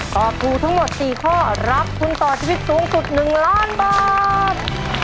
ตอบถูกทั้งหมด๔ข้อรับทุนต่อชีวิตสูงสุด๑ล้านบาท